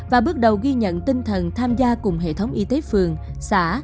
và bước đầu ghi nhận tinh thần tham gia cùng hệ thống y tế phường xã